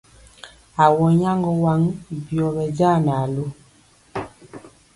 Awɔ nyaŋgɔ waŋ byɔ ɓɛ ja naalu.